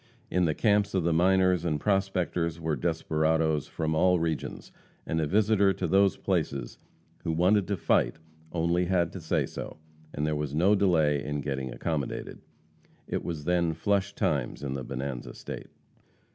In the camps of the miners and prospectors were desperadoes from all regions, and a visitor to these places who wanted to fight only had to say so, and there was no delay in getting accommodated. It was then flush times in the Bonanza State.